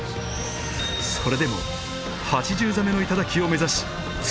それでも８０座目の頂を目指し突き進む。